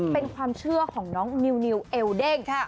เป็นความเชื่อของน้องนิวเอลเด้ง